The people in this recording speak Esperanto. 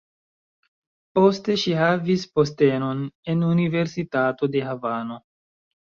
Poste ŝi havis postenon en universitato de Havano.